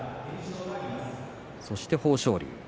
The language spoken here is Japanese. そして、豊昇龍。